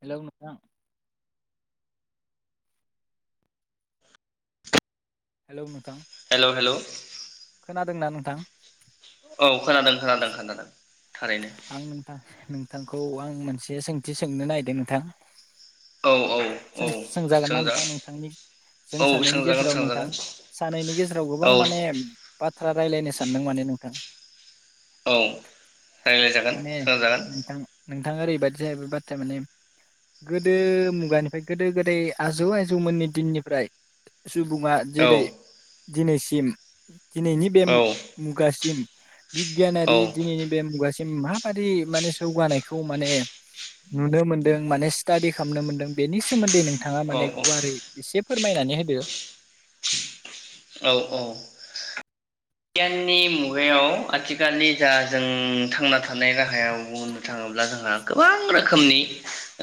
Hello नोंथां। Hello नोंथां। Hello hello खोनादोंना नोंथां? औ खोनादों खोनादों खोनादों थारैनो आं नोंथां नोंथांखौ आं मोनसे सोंथि सोंनो नायदों नोंथां। औ औ औ सों-सोंजागोना सोंजा नोंथां नोंथांनि जों औ सानैनि सोंजागोन गेजेराव नोंथां सोंजागोन सानैनि गेजेराव गोबां औ माने बाथ रायलायनो सानदों माने नोंथां। औ रायज्लायजागोन माने सोंजागोन नोंथां नोंथां ओरैबायादि जाहैबाय बाथ्राया माने गोदो मुगानिफ्राय गोदो गोदाय आजौ आजौमोननि दिननिफ्राय सुबुङा औ जेरै दिनै सिम दिनैनि बे औ मुगासिम बिगियानारि दिनैनि बे मुगासिम माबादि माने जौगानायखौ माने नुनो मोनदों माने स्टाडि खालामनो मोनदों बेनि सोमोन्दै नों थाङा माने औ औ गुवारै इसेफोर फोरमायनानै होदो। औ औ। गियाननि मुगायाव आथिखालनि जा जों थांना थानाय राहायाव बुंनो थाङोब्ला जोंहा गोबां रोखोमनि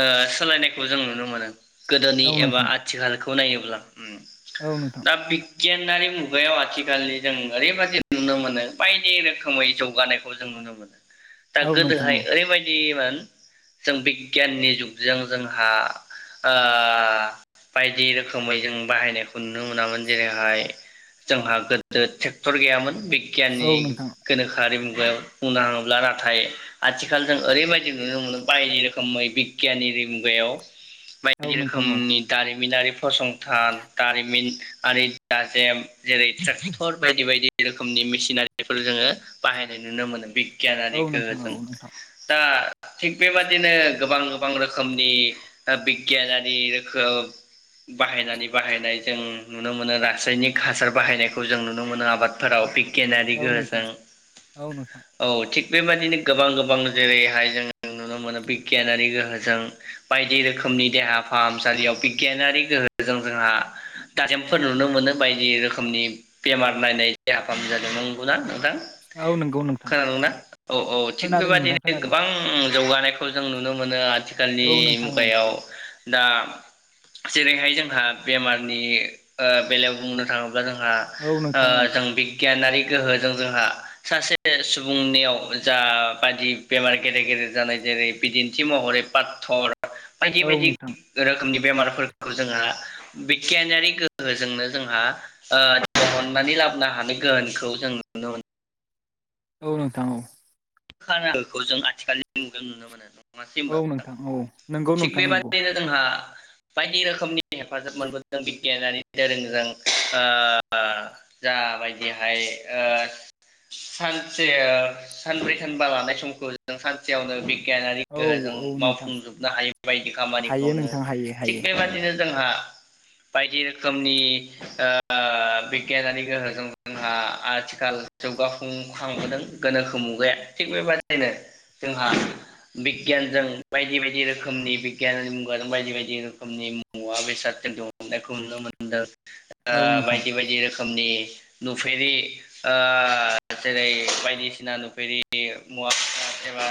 ओ सोलायनायखौ जों नुनो मोनो। गोदोनि औ एबा नोंथां आथिखाल खौ नायोब्ला उम औ नोंथां दा बि गियानारि मुगायाव आथिखालनि जों ओरैबायदि नुनो मोनो बायदि रोखोमै जौगानायखौ जों नुनो मोनो। दा औ नोंथां गोदोहाय औ ओरैबायदि [unintelligible] जों बिगियाननि जुगजों जोंहा ओ बायदि रोखोमै जों बाहायनायखौ नुनो मोनामोन जेरैहाय जोंहा गोदो फोर गैयामोन बि औ गियाननि नोंथां गोनोखोआरि मुगायाव बुंनो थाङोब्ला नाथाय आथिखाल जों ओरैबायदि नुनो मोनो बायदि रोखोमै बिगियाननि मुगायाव औ बायदि नोंथां औ रोखोमनि दारिमिनारि फसंथान दारिमिन आरि दाजेम जेरै ट्रेक्टर बायदि बायदि रोखोमनि मेसिनारिफोर जोङो बाहायनाय नुनो मोनो गियानारि औ नोंथां औ गोहोजों नोंथां दा थिग बेबादिनो गोबां गोबां रोखोमनि ओ बिगियानारि रोखोम बाहायनानै बाहायनाय जों नुनो मोनो रासायनिक हासार बाहायनायखौ जों नुनो नुनो मोनो आबादफोराव गियानारि औ नोंथां गोहोजों औ नोंथां औ थिग बेबायदिनो गोबां गोबां जेरैहाय जों नुनो मोनो बिगियानारि गोहोजों बायदि रोखोमनि देहा फाहामसालियाव बिगियानारि गोहोजों जोंहा दाजेमफोर नुनो मोनो बायदि रोखोमनि बेमार नायनाय देहा फाहाम जादों नंगौना औ नंगौ [unintelligible] नोंथां खोनादोंना औ औ थि खोनादों नोंथां बेबादिनो खोनादों गोबां जौगानायखौ जों नुनो मोनो। आथिखालनि औ नोंथां औ मुगायाव। दा जेरैहाय जोंहा बेमारनि ओ बेलायाव बुंनो थाङोब्ला जोंहा औ नोंथां औ ओ जों बिगियानारि गोहोजों जोंहा सासे सुबुंनियाव जा बादि बेमार गेदेर गेदेर जानाय जेरै बिदिन्थि महरै पात्थर बायदि औ बायदि नोंथां रोखोमनि बेमारफोरखौ जोंहा बिगियानारि गोहोजोंनो जोंहा ओ बहननानै लाबोनो हानाय गोहोनखौ जों नुनो औ नोंथां औ। [unintelligible] जों आथिखालनि [unintelligible] नुनो मोनो। औ [unintelligible] नोंथां औ नंगौ थिग नोंथां नंगौ बेबादिनो जोंहा बायदि रोखोमनि हेफाजाब मोनबोदों बिगियानारि दोरोंजों ओ जाबायदिहाय ओ सानसे ओ सानब्रै होनबा लानाय समखौ जों सानसेयावनो बिगियानारि औ गोहोजों औ नोंथां मावफुंजोबनो हायै बायदि हायो खामानिखौनो नोंथां हायो थिग हायो बेबायदिनो जोंहा बायदि रोखोमनि ओ बिगियानारि गोहोजों जोंहा आथिखाल जौगफुंखांबोदों गोनोखो मुगाया थिग बेबाददिनो जोंहा बिगियानजों बायदि बायदि रोखोमनि बिगियाननि मुगाजों बायदि बायदि रोखोमनि मुवा बेसादजों दुहुननायखौ नुनो मोनदों। ओ औ नोंथां बायदि बायदि रोखोम रोखोमनि नुफेरि ओ जेरै बायदिसिना नुफेरि बियो मुवा एबा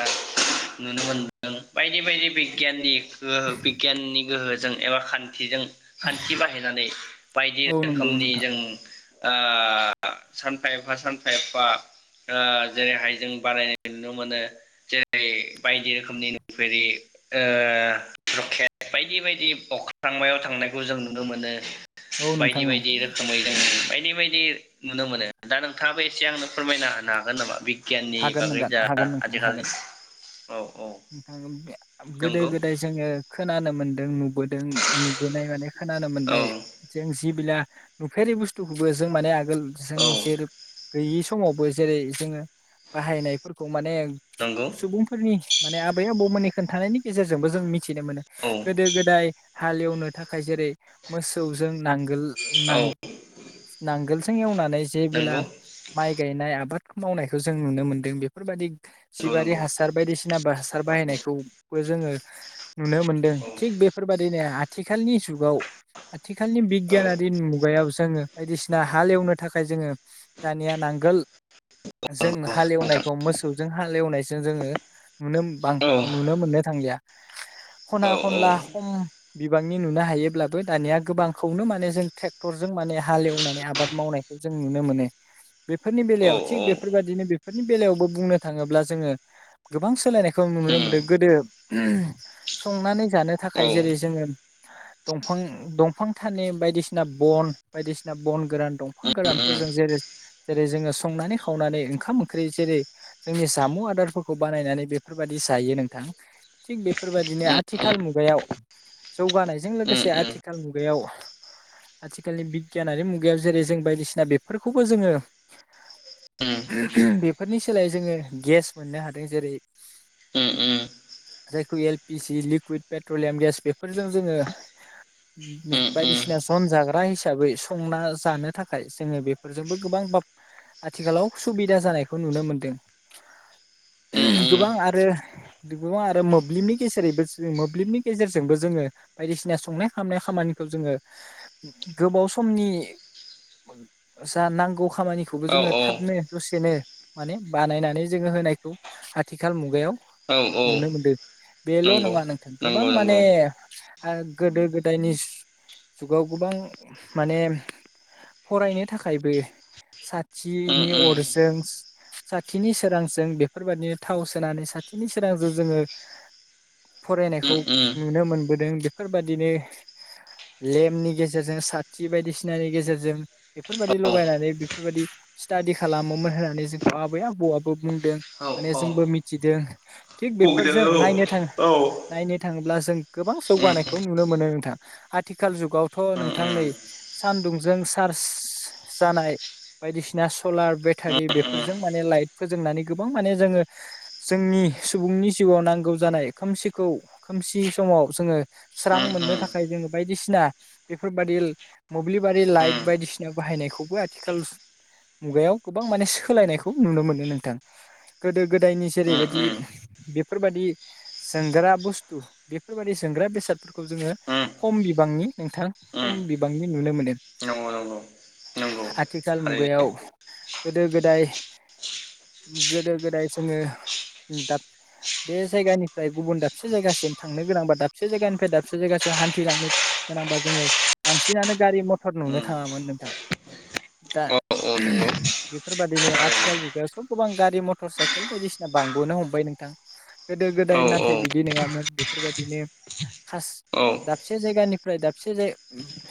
नुनो मोनदों बायदि बायदि बिगियानिक गोहो बिगियाननि गोहो जों एबा खान्थिजों खान्थि बाहायनानै बायदि औ नंगौ रोखोमनि नोंथां जों ओ सानफा एफा सानफा एफा ओ जेरैहाय जों बारायनाय नुनो मोनो जेरै बायदि रोखोमनि नुफेरि ओ रकेथ बायदि बायदि अख्रांमायाव थांनायखौ जों नुनो मोनो। औ बायदि नोंथां औ बायदि रोखोमै जों बायदि बायदि नुनो मोनो दा नोंथाङाबो एसे आंनो फोरमायना होनो हागोन नामा बिग गियाननि हागोन नोंथां हागोन [unintelligible] नोंथां हागोन आजिखालि औ औ। गोदो नंगौ गोदाय जोङो खोनानो मोनदों नुबोदों नुबोनाय माने खोनानो औ मोननाय जों बिदिबिला नुफेररि बुस्थुखौबो जों माने जों औ जेरै गैयि समावबो जेरै जोङो बाहायनायफोरखौ माने नंगौ सुबुंफोरनि बे आबौमोननि खोन्थानायनि गेजेरजोंबो जों मिथि मिथिनो मोनो औ गोदो गोदाय हालेवनो थाखाय जेरै मोसौजों नांगोल औ नां नांगोल जों एवना नै जेबोला नंगौ माइ गायनाय आबाद मावनायखौ जों नुनो मोन्दों बेफोरबायदि नंगौ जिबारि नंगौ हासार बायदिसि हासार औ बाहायनायखौ खौ जोङो नुनो मोनदों थिग औ बेफोरबायदिनो आथिखालनि जुगाव आथिखालनि औ बिगिनयारि मुगायाव जोङो बायदिसिना हालेवनो थाखाय जोङो दानिया नांगोल जों नंगौ नोंथां हालेवनायखौ मोसौजों हालेवनायजों जोङो नुनो बां औ नुनो मोननो थांलिया। औ खना खनला खम बिबांनि नुनो हायोब्लाबो दानिया गोबांखौनो माने जों ट्रेक्टरजों माने हालेवनानै आबाद मावनायखौ जों नुनो मोनो। बेफोरनि औ बेलायाव थिग उम बेफोरबायदिनो बेफ नि बेलायावबो बुंनो थाङोब्ला जोङो गोबां सोलायनायखौ नुनो मोनदों गोदो संनानै जानो थाखाय औ जेरै जोङो दंफां दंफां थाने बायदिसिना बन बायदिसिना बन गोरान दंफां उम गोरानफोरजों जेरै जेरै जोङो संनानै खावनानै ओंखाम ओंख्रि जेरै जोंनि जामुं आदारफोरख खौ बानायनानै बेफोरबायदि जायो नोंथां थिग बेफोरबायदिनो आथिखाल मुगायाव जौगानायजों उम उम लोगोसे आथिखाल मुगायाव आथिखालनि बिगियानारि मुगायाव जेरै जों बायदिसिना बेफोरखौबो जोङो उम बेफोरनि सोलायै जोङो गेस मोननो हाद दै जेरै उम जायखौ L P G liquid petroleum gas बेफोरजों जोङो उम उम बायदिसिना जन जाग्रा हिसाबै संना जानो थाखाय जोङो बेफोरजोंबो गोबां बाब आथिखालाव सुबिदा जानायखौ नुनो मोनदों। उम गोबां आरो गोबां आरो मोब्लिबनि गेजेरैबो मोब्लिबनि गेजेरजोंबो जोङो बायदिसिना संनाय खाबनाय खामानिखौ जोङो गोबाव समनि जा नांगौ खामानिखौबो औ जोङो थाबनो औ दसेनो माने बानायनानै जोङो होनायखौ आथिखाल मुगायाव औ औ नुनो मोनदो बेल' नंगौ नङा नोंथां गोबां नंगौ माने नंगौ ओ गोदो गोदायनिज जुगाव गोबां माने फरायनो थाखायबो साथ उम थिनि उम अरजोंस साथिनि सोरांजों बेफ फोरबादिनो थाव सोनानै साथिनि सोरांजों जोङो फरायनायखौ उम उम नुनो मोनबोदों। फोरबादिनो लेम्पनि गेजेरजों साथि बायदिसिनानि गेजेरजों बेफोरबायदि औ लगायनानै बेफोरबायदि स्टादि खालामोमोन होननानै जोंखौ आबै आबौआबो बुंदों। औ माने औ जोंबो मिथिदों। थिग बेफोरजों फुगिदों नायनो थाङो औ औ नायनो थाङोब्ला जों गोबां उम जौगानायखौ नुनो मोनो नोंथां आथिखाल जुगावथ' उम नोंथां नै उम सानदुंजों चार्ज जानाय बायदिसिना सलार बेटारि उम बेफोरजों माने लाइट फोजोंनानै गोबां माने जोङो जोंनि सुबुंनि जिउआव नांगौ जानाय खोमसिखौ खोमसि समाव जोङो स्रां उम मोननो उम थाखाय जोङो बायदिसिना बेफोरबादि मोब्लिबारि लाइट उम बायदिसिना बाहायनायखौबो आथिखाल मुगायाव गोबां माने सोलायनायखौ नुनो मोनो नोंथां। गोदो गोदायनि उम जेरैबायदि उम बेफोरबायदि जोंग्रा बुस्थु बेफोरबायाददि जोंग्रा बेसादफोरखौ जोङो उम खम बिबांनि नोंथां खम उम बिबांनि नुनो मोनो नंगौ नंगौ आथिखाल थारैनो मुगायाव गोदो गोदाय गोदो गोदाय जोङो दाब बे जायगानिफ्राय गुबुन दाबसे जायगासिम थांनो गोनांबा दाबसे जायगानिफ्राय दाबसे जायगासिम हान्थिलांनो गोनांबा जोङो बांसिनानो गारि मथर नुनो उम थाङामोन नोंथां दा औ औ नंगौ बेफोरबादिनो थारैनो आथिखाल जुगाव सब गोबां गारि मटर साइकेल बायदिसिना बांबोनो हमबाय नोंथां गोदो गोदाय नाथाय औ बिदि नोङामोन बेफोरबादिनो खास औ दाबसे जायगानिफ्राय दाबसे जाय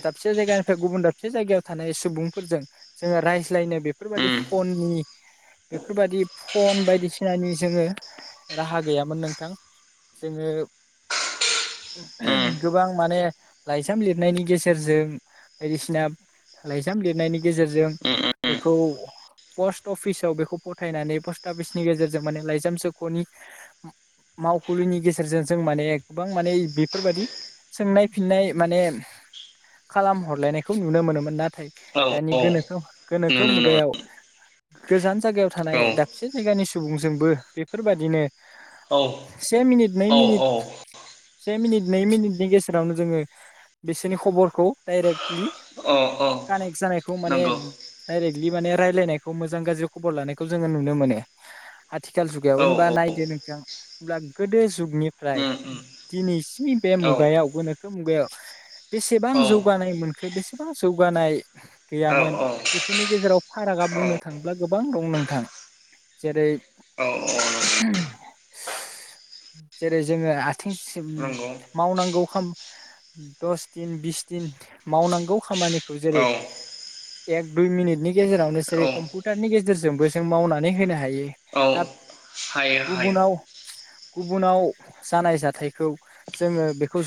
दाबसे जायगानिफ्राय गुबुन दाबसे जायगायाव थानाय सुबुंफोरजों जोङो रायज्लायनो बेफोरबायदि उम फन बेफोरबादि फन बायदिसिनानि जोङो राहा गैयामोन नोंथां जोङो उम गोबां माने लाइजाम लिरनायनि गेजेरजों बायदिसिना लाइजाम लिरनायनि गेजेरजों उम उम बेखौ पस्ट अफिसाव बेखौ खौ फथायनानै पस्टाफिसनि गेजेरजों माने लाइजाम सोख'नि मावखुलिनि गेजेरजों जों माने गोबां माने बेफोरबादि सोंनाय फिननाय माने खालाम हरलायनायखौ नुनो मोनोमोन नाथाय औ दानि औ गोनोखो गोनोखो नुनो मुगायाव गोजान जागायाव थानाय मोनोमोन दाबसे जायगानि सुबुंजोंबो बेफोरबादिनो औ से मिनिट नै औ मिनिट से मिनिट नै मिनिटनि गेजेरावनो जोङो बिसोरनि खबरखौ डाइरेक्टलि औ औ कानेक्ट जानायखौ माने नंगौ डाइरेक्टलि माने रायलायनायखौ मोजां गाज्रि खबर लानाय खौ जोङो नुनो मोनो आथ थिकाल औ जुगायाव ओनबा नायदो नोंथां। होनब्ला गोदो जुगनिफ्राय उम उम दिनैसिम नि बे औ मुगायावबो मुगायाव बेसेबां औ जौगानाय मोनखो बेसेबां जौगानाय औ गैयामोन औ बेफोरनि गेजेराव फारागा बुंनो थाङोब्ला गोबां दं नों थां जेरै नंगौ जेरै जोङो सिगं नंगौ मावनांगौ खाम दस दिन बिस दिन मावनांगौ खामानिखौ जेरै औ एक दुइ मिनिटनि गेजेरावनो जेरै औ कमपुतारनि गेजेरजोंबो जों मावनानै होनो हायो औ दा हायो हायो गुबुनाव गुबुनाव जानाय जाथायखौ जोङो बेखौ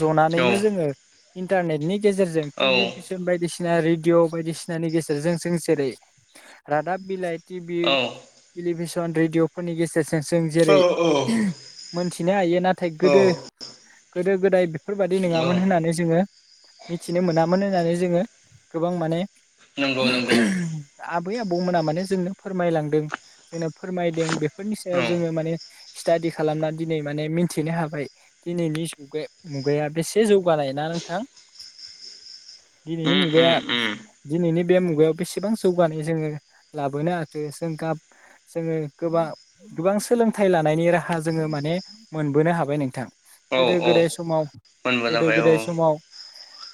औ जनानैनो जोङो इन्टारनेटनि गेजेरजों औ टेलिभिसन बायदिसिना बायदिसिना रेडिअ बायदिसिनानि गेजेरजों जों जेरै रादाब बिलाइ टिभि औ टेलिभिसन रेडिअफोरनि गेजेरजों जों जेरै औ औ मोनथिनो हायो नाथाय गोदो औ गोदो गोदाय बेफोरबायाददि औ नङामोन होननानै जोङो मिथिनो मोनामोन होननानै जोङो गोबां माने नंगौ नंगौ [unintelligible] आबै आबौमोना माने जोंनो फोरमायलांदों जोंनो फोरमायदों बेफोरनि औ सायाव जोङो माने स्टाडि खालामनानै दिनै माने मिथिनो हाबाय दिनैनि मुगाया बेसे जौगानाय ना नोंथां दिनैनि उम मुगाया उम उम दिनैनि बे मुगायाव बेसेबां जौगानाय जोङो लाबोनो हो जों गाब जोङो गोबां गोबां सोलोंथाइ लानायनि राहा जोङो माने मोनबोनो हाबाय नोंथां औ गोदो औ गोदाय समाव गोदो मोनबोजाबाय औ गोदाय समाव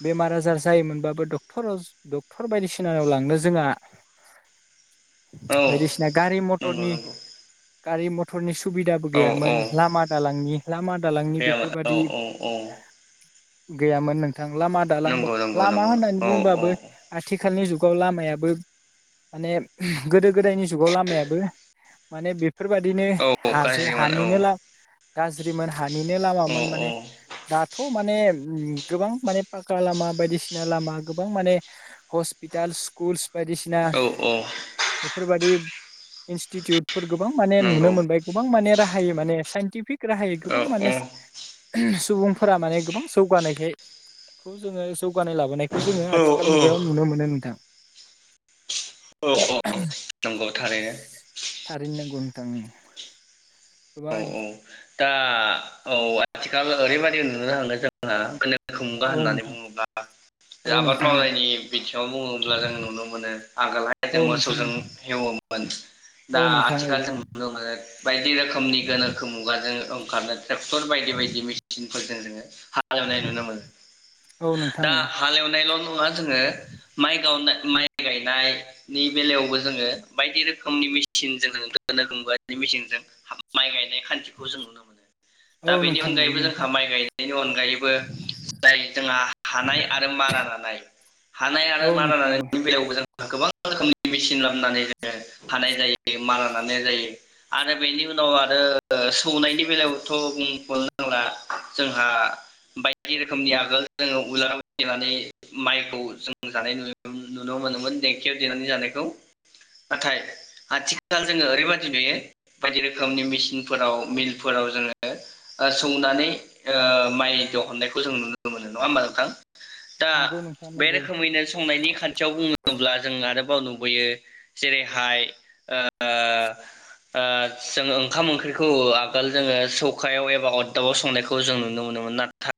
बेमार आजार जायोमोनबाबो डक्टर डक्टर बायदिसिनाव लांनो जोंहा औ बायदिसिना गारि नंगौ मथरनि नंगौ गारि मथरनि सुबिदाबो औ गैयामोन औ लामा दालांनि लामा दालांनि गैयामोन औ बेफोरबादि औ औ गैयामोन नों थां लामा दालां नंगौ नंगौ लामा नंगौ होननानै औ औ बुंबाबो आथि आथिखालनि जुगाव लामायाबो माने गोदो गोदायनि जुगाव लामायाबो माने बेफोरबादिनो औ हासो गाज्रिमोन औ हानिनो ला गाज्रिमोन हानिनो औ लामामोन माने औ दाथ' माने गोबां माने पक्का लामा बायदिसिना लामा गोबां माने हस्पिटाल स्कुलस बायदिसिना औ औ फोरबायाददि इनस्टिटिउटफोर गोबां माने नुनो नंगौ मोनबाय गोबां माने राहाय माने साइनटिफिक राहायै औ गोबां माने सुबुंफोरा माने गोबां जौगानायखायखौ जोङो जौगानाय लाबोनाय बेखौ जोङो औ आथिखाल मुगायाव नुनो मोनो [unintelligible] नंग' थारैनो थारैनो नांगौ नोंथां उम औ गोबां औ दा औ आथिखाल ओरैबायाददि नुनो हाङो जोंहा खुंगा औ होननानै नोंथां बुङोब्ला औ आबाद नोंथां औ मावनायनि बिथिङाव बुङोब्ला जों नुनो मोनो आगोलहाय जों औ नोंथां मोसौजों हेवोमोन औ दा नोंथां आथिखाल औ जों नुनो मोनो बायदि रोखोमनि गोनांखो मु जोङो ओंखारनो ट्रेक्टर बायदि बायदि मेसिनफोरजों जों [unintelligible] हालेवनाय नुनो मोन औ । नोंथां दा औ हालेवनायल' न [unintelligible] जोङो माइ गाव माइ गायनायनि बेलायावबो जोङो बायदि रोखोमनि मिसिन जों गोनोखो मुगानि मिसिनजों माय गायनाय खान खौ जों नुनो मोनो दा औ बेनि नोंथां औ अनगायैबो नोंथां जोंहा माइ गायनायनि अनगायैबो जाय जोंहा हानाय आरो मारारानाय हानाय आरो औ मारा नोंथां औ लानायनि बेलायावबो जोंहा गोबां रोखोमनि मसिन ला‌ नानै जोङो हानाय जायो मारा नांनाया जायो आरो बेनि उनाव आरो सो सौनायनि बेलायावथ' बुंथनो नांला जोंहा बायदि रोखोमनि आगोल जोङो उलार देनानै माइखौ जों जानाय नु नुनो मोनोमोन देंखियाव देनानै जानायखौ नाथाय आथिखाल जोङो ओरैबायदि नुयो बायदि रोखोमनि मेसिनफोराव मिलफोराव जोङो सौनानै ओ माइ दहुनायखौ जों नुनो मोनो नङा होमा नोंथां? दा नंगौ नोंथां बे नंगौ रोखोमैनो संनायनि खान्थियाव बुङोब्ला जों आरोबाव नु बोयो जेरैहाय ओ ओ जोंङो ओंखाम ओंख्रैखौ आगोल जोङो सौखायाव एबा अरदाबाव संनायखौ जों नुनो मोनोमोन नाथाय